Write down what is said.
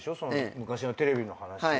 昔のテレビの話。